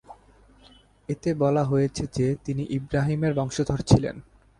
এতে বলা হয়েছে যে তিনি ইব্রাহিমের বংশধর ছিলেন।